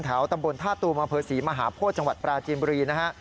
แถวตำบลธาตุมเผอร์ศรีมหาโพธิ์จังหวัดปราจีนบรีนะฮะ